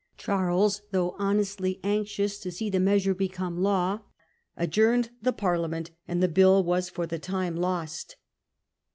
Charles, though honestly anxious to see the measure become law, adjourned the Parliament, and the bill was for the time ldst.